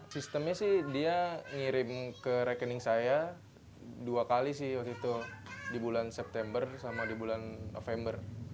sistemnya sih dia ngirim ke rekening saya dua kali sih waktu itu di bulan september sama di bulan november